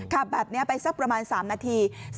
ขับแบบนี้ไปสักประมาณ๓นาที